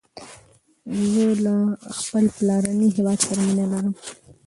زه له خپل پلارنی هیواد سره مینه لرم